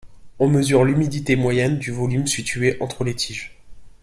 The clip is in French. On mesure l’humidité moyenne du volume situé entre les tiges.